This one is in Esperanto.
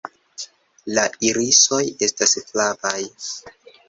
La irisoj estas flavaj.